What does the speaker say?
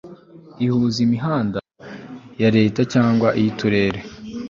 ihuza imihanda ya Leta cyangwa iy Uturere